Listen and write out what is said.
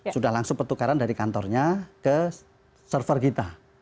sudah langsung pertukaran dari kantornya ke server kita